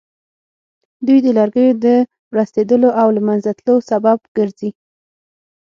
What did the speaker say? دوی د لرګیو د ورستېدلو او له منځه تلو سبب ګرځي.